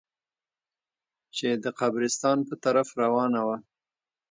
چې د قبرستان په طرف روانه وه.